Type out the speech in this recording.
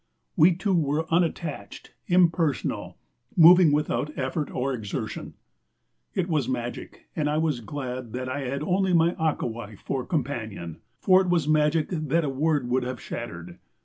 We two were unattached, impersonal, moving without effort or exertion. It was magic, and I was glad that I had only my Akawai for companion, for it was magic that a word would have shattered.